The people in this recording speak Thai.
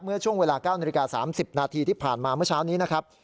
เมื่อช่วงเวลา๙นาฬิกา๓๐นาทีที่ผ่านมาเมื่อเช้านี้นะครับ